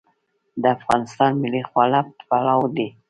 د افغانستان ملي خواړه پلاو دی